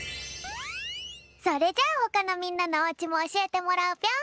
それじゃあほかのみんなのおうちもおしえてもらうぴょん。